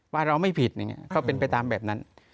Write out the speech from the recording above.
ว่าเราไม่ผิดก็เป็นไปตามแบบนั้น